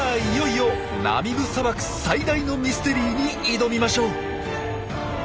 いよいよナミブ砂漠最大のミステリーに挑みましょう。